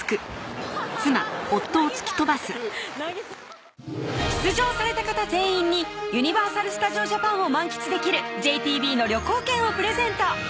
ハハハッ投げた投げた出場された方全員にユニバーサル・スタジオ・ジャパンを満喫できるＪＴＢの旅行券をプレゼント